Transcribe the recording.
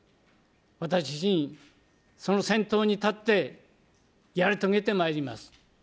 私自身、その先頭に立ってやり遂げてまいります。